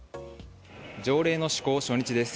条例の施行初日です。